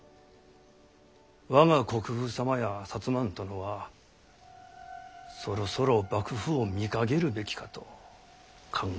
我が国父様や摩ん殿はそろそろ幕府を見限るべきかと考え